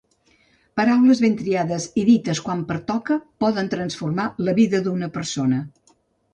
Paraules ben triades i dites quan pertoca poden transformar la vida d'una persona.